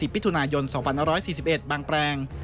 ๓๐พิทุณายน๒๑๔๑บางแปลง